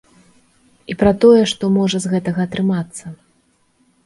І пра тое, што можа з гэтага атрымацца.